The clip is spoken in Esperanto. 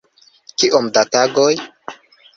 Kiom da tagoj?